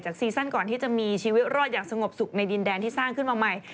ซีซั่นก่อนที่จะมีชีวิตรอดอย่างสงบสุขในดินแดนที่สร้างขึ้นมาใหม่